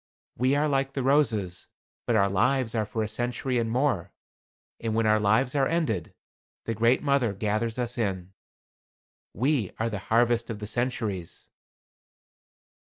We are like the roses, but our lives are for a century and more. And when our lives are ended, the Great Mother gathers us in. We are the harvest of the centuries."